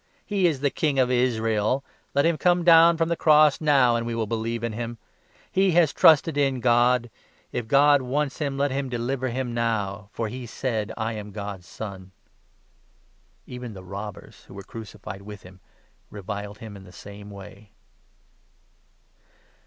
He is the 42 ' King of Israel '! Let him come down from the cross now, and we will believe in him. He has trusted in God ; if God 43 wants him, let him deliver him now ; for he said ' I am God's Son.'" Even the robbers, who were crucified with him, 44 reviled him in the same way.